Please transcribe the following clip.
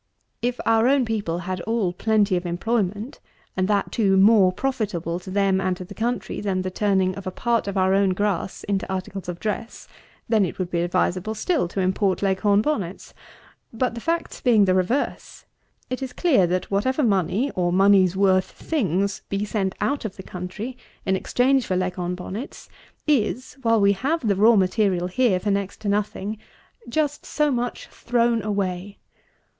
If our own people had all plenty of employment, and that too more profitable to them and to the country than the turning of a part of our own grass into articles of dress, then it would be advisable still to import Leghorn bonnets; but the facts being the reverse, it is clear, that whatever money, or money's worth things, be sent out of the country, in exchange for Leghorn bonnets, is, while we have the raw material here for next to nothing, just so much thrown away.